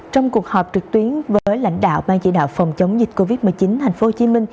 trong cuộc họp trực tuyến với lãnh đạo ban chỉ đạo phòng chống dịch covid một mươi chín tp hcm